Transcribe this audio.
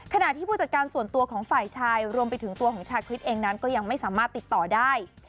ขณะที่ผู้จัดการส่วนตัวของฝ่ายชายรวมไปถึงตัวของชาคริสเองนั้นก็ยังไม่สามารถติดต่อได้